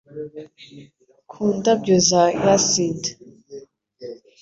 Ku ndabyo za hyacint